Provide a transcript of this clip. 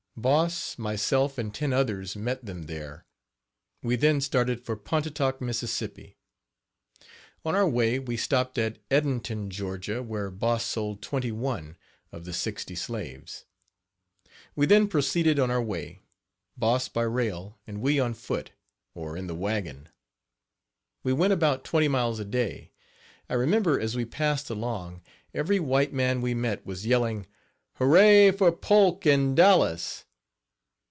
Boss, myself and ten others met them there. We then started for Pontotoc, Miss. On our way we stopped at Edenton, Ga., where Boss sold twenty one Page 13 of the sixty slaves. We then proceeded on our way, Boss by rail and we on foot, or in the wagon. We went about twenty miles a day. I remember, as we passed along, every white man we met was yelling, "Hurrah for Polk and Dallas!"